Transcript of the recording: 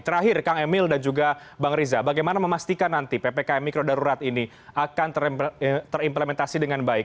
terakhir kang emil dan juga bang riza bagaimana memastikan nanti ppkm mikro darurat ini akan terimplementasi dengan baik